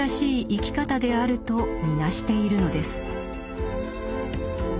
生き方であると見なしているのです。